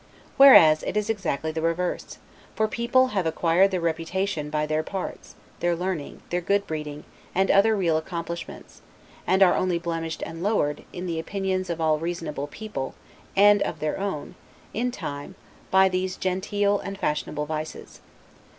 Whereas it is exactly the reverse; for these people have acquired their reputation by their parts, their learning, their good breeding, and other real accomplishments: and are only blemished and lowered, in the opinions of all reasonable people, and of their own, in time, by these genteel and fashionable vices.